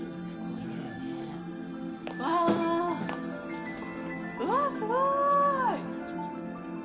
わー、うわ、すごい！